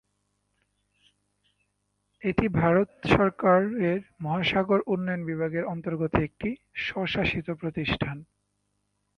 এটি ভারত সরকারের মহাসাগর উন্নয়ন বিভাগের অন্তর্গত একটি স্বশাসিত প্রতিষ্ঠান।